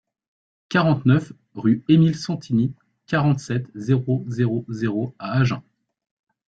quarante-neuf rue Emile Sentini, quarante-sept, zéro zéro zéro à Agen